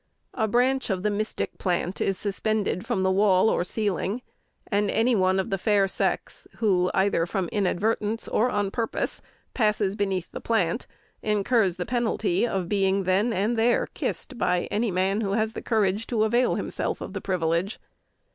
A branch of the mystic plant is suspended from the wall or ceiling, and any one of the fair sex who, either from inadvertence or on purpose, passes beneath the plant, incurs the penalty of being then and there kissed by any man who has the courage to avail himself of the privilege.